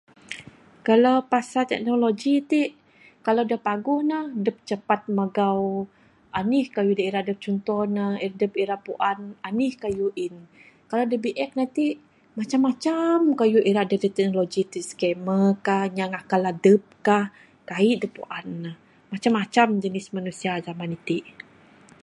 Kalau pasal teknologi ti, kalau da paguh ne, dep cepat magau anih kayuh da ira adep. Cunto ne adep ira puan anih kayuh ain. Kayuh da biek matik macam macam kayuh da teknologi ti scammer ka, inya ngakal adep ka. Kaik adep puan ne. Macam macam jenis manusia zaman iti.